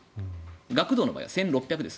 学童の場合は１６００です。